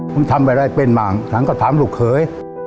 ผมทำอะไรเป็นมากฉันก็ทำลูกเคย